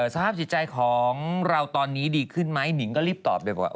สภาพจิตใจของเราตอนนี้ดีขึ้นไหมนิงก็รีบตอบดีกว่า